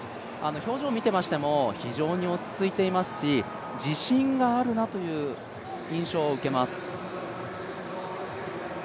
表情を見ていましても、非常に落ち着いていますし、自信があるなという印象を受けます。